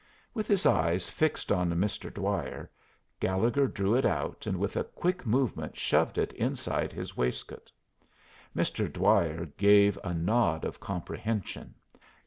With his eyes fixed on Mr. Dwyer, Gallegher drew it out, and with a quick movement shoved it inside his waistcoat. Mr. Dwyer gave a nod of comprehension.